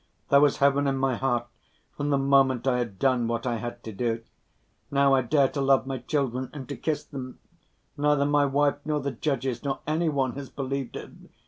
There was heaven in my heart from the moment I had done what I had to do. Now I dare to love my children and to kiss them. Neither my wife nor the judges, nor any one has believed it.